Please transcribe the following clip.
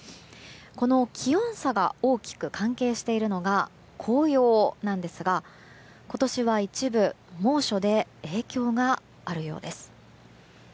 この気温差が大きく関係しているのが紅葉なんですが今年は一部、猛暑で影響があるようです。